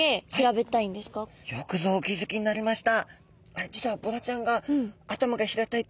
よくぞお気づきになりました。